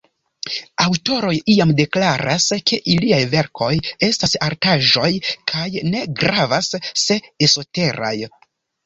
Aŭtoroj iam deklaras, ke iliaj verkoj estas artaĵoj, kaj ne gravas, se esoteraj.